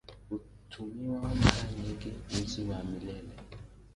Huitwa mara nyingi "Mji wa Milele".